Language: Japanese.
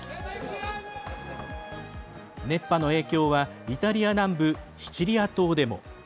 熱波の影響はイタリア南部シチリア島でも。